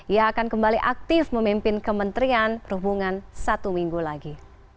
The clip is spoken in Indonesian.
ia akan kembali aktif memimpin kementerian perhubungan satu minggu lagi